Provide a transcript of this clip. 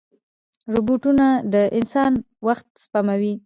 روبوټونه د انسان وخت سپموي.